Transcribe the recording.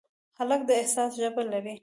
هلک د احساس ژبه لري.